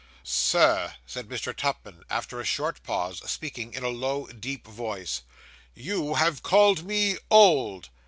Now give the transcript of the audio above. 'Sir,' said Mr. Tupman, after a short pause, speaking in a low, deep voice, 'you have called me old.